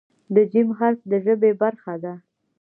د "ج" حرف د ژبې برخه ده.